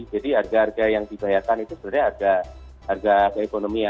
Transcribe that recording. jadi harga harga yang dibayarkan itu sebenarnya harga harga ekonomi